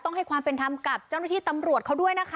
ให้ความเป็นธรรมกับเจ้าหน้าที่ตำรวจเขาด้วยนะคะ